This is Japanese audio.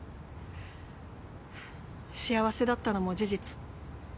幸せだったのも事実。